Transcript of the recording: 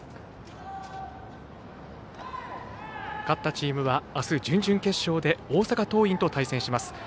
勝ったチームはあす準々決勝で大阪桐蔭と対戦します。